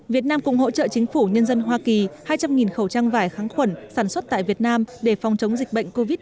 việt nam cũng hỗ trợ chính phủ nhân dân hoa kỳ hai trăm linh khẩu trang vải kháng khuẩn sản xuất tại việt nam để phòng chống dịch bệnh covid một mươi chín